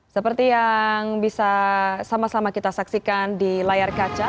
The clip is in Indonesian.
seperti yang bisa sama sama kita saksikan di layar kaca